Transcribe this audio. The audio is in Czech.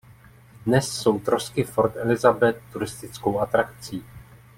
Dnes jsou trosky Fort Elizabeth turistickou atrakcí.